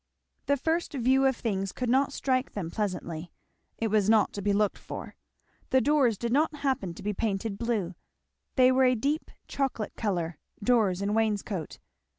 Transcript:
The first view of things could not strike them pleasantly; it was not to be looked for. The doors did not happen to be painted blue; they were a deep chocolate colour; doors and wainscot.